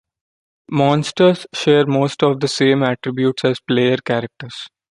Monsters share most of the same attributes as player characters.